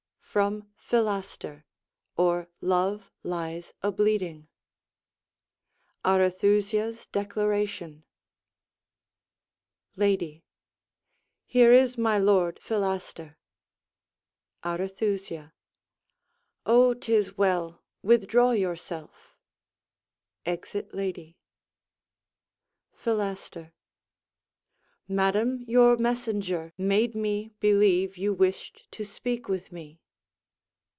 FROM 'PHILASTER, OR LOVE LIES A BLEEDING' ARETHUSA'S DECLARATION Lady Here is my Lord Philaster. Arethusa Oh, 'tis well. Withdraw yourself. Exit Lady. Philaster Madam, your messenger Made me believe you wished to speak with me.